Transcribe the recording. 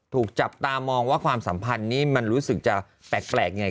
ถูกจับตามองว่าความสัมพันธ์นี้มันรู้สึกจะแปลกยังไง